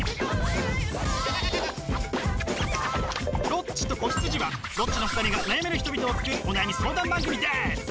「ロッチと子羊」はロッチの２人が悩める人々を救うお悩み相談番組です！